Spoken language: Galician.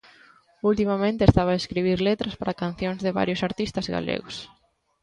Ultimamente estaba a escribir letras para cancións de varios artistas galegos.